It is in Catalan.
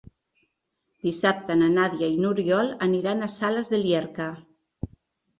Dissabte na Nàdia i n'Oriol aniran a Sales de Llierca.